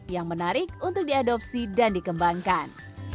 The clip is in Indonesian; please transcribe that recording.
yang menarik untuk di adopsi dan dikembangkan